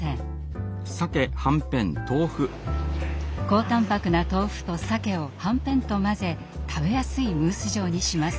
高タンパクな豆腐とさけをはんぺんと混ぜ食べやすいムース状にします。